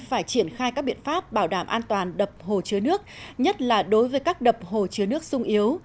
phải triển khai các biện pháp bảo đảm an toàn đập hồ chứa nước nhất là đối với các đập hồ chứa nước sung yếu